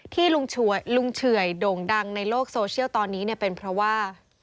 ที่ลุงเฉื่อยโด่งดังในโลกโซเชียลตอนนี้เนี่ยเป็นเพราะว่า